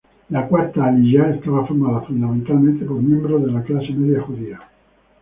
La Cuarta Aliyá estaba conformada fundamentalmente por miembros de la clase media judía.